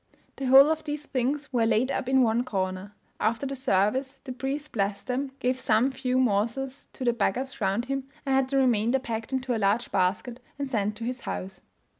The whole of these things were laid up in one corner. After the service, the priest blessed them, gave some few morsels to the beggars round him, and had the remainder packed into a large basket and sent to his house.